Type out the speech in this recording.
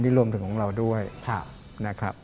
นี่รวมถึงของเราด้วยนะครับ